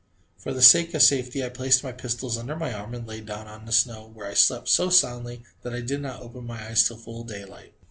For the sake of safety, I placed my pistols under my arm and lay down on the snow, where I slept so soundly that I did not open my eyes till full daylight.